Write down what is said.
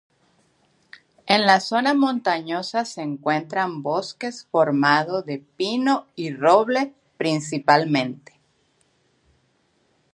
En la zona montañosa se encuentran bosques formado de pino y roble principalmente.